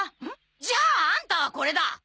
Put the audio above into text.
じゃあアンタはこれだ！